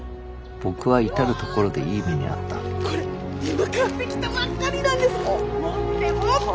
僕は至る所でいい目にあったこれ今買ってきたばっかりなんです！